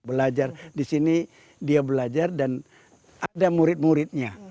belajar di sini dia belajar dan ada murid muridnya